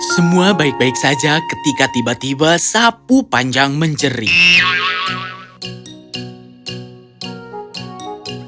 semua baik baik saja ketika tiba tiba sapu panjang menjerit